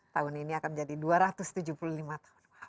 tahun ini akan menjadi dua ratus tujuh puluh lima tahun